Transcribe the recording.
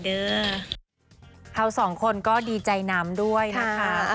เออเราสองคนก็ดีใจน้ำด้วยนะคะ